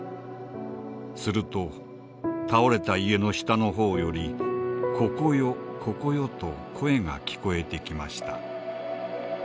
すると倒れた家の下の方より『ここよここよ』と声が聞こえてきました」。